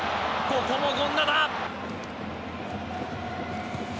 ここも権田！